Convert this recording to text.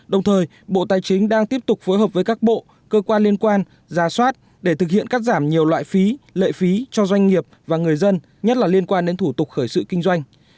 đồng thời bộ tài chính đang tiếp tục phối hợp với các bộ cơ quan liên quan ra soát để thực hiện cắt giảm nhiều loại phí lệ phí cho doanh nghiệp và người dân nhất là liên quan đến thủ tục khởi sự kinh doanh